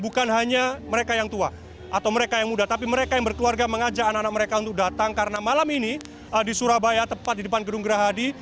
bukan hanya mereka yang tua atau mereka yang muda tapi mereka yang berkeluarga mengajak anak anak mereka untuk datang karena malam ini di surabaya tepat di depan gedung gerahadi